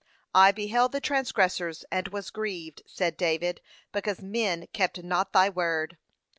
'I beheld the transgressors, and was grieved,' said David, 'because men kept not thy word.'